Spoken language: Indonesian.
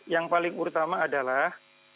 yang paling utama adalah